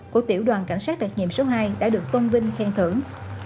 của tiểu đoàn cảnh sát đặc nhiệm số hai đã được tôn vinh khen thưởng